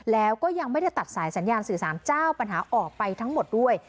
แล้วก็ยังไม่ได้ตัดสายสัญญาณสื่อสารเจ้าปัญหาออกไปทั้งหมดด้วย